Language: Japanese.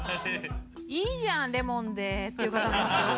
「いいじゃんレモンで」っていう方もいますよ。